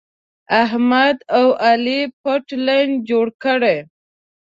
احمد او علي پټ لین جوړ کړی.